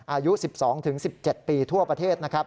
อายุ๑๒ถึง๑๗ปีทั่วประเทศ